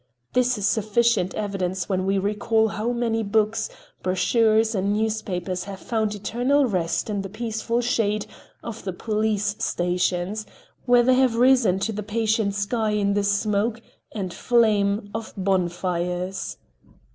This is sufficient evidence when we recall how many books, brochures and newspapers have found eternal rest in the peaceful shade of the police stations, where they have risen to the patient sky in the smoke and flame of bonfires.